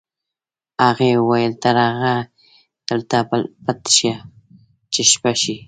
هغې وویل تر هغې دلته پټ شه چې شپه شي